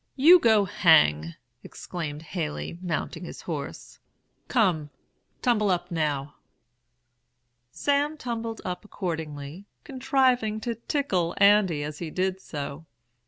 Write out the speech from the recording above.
"'You go hang!' exclaimed Haley, mounting his horse. 'Come, tumble up, now.' "Sam tumbled up accordingly, contriving to tickle Andy as he did so.